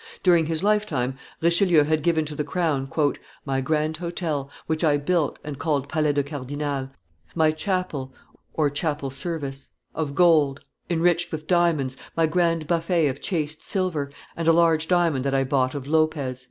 During his lifetime Richelieu had given to the crown "my grand hotel, which I built, and called Palais de Cardinal, my chapel (or chapel service) of gold, enriched with diamonds, my grand buffet of chased silver, and a large diamond that I bought of Lopez."